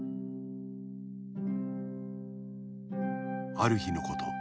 「」あるひのこと